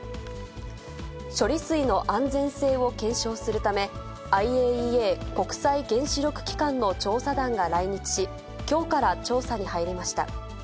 処理水の安全性を検証するため、ＩＡＥＡ・国際原子力機関の調査団が来日し、きょうから調査に入りました。